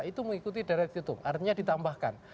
itu mengikuti deret hitung artinya ditambahkan